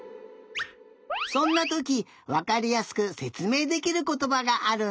そんなときわかりやすくせつめいできることばがあるんだ。